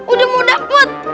udah mau dapet